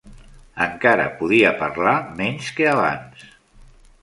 Encara podia parlar menys que abans.